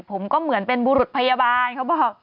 ผมก็เหมือนเป็นบุรุษพยาบาลเขาบอก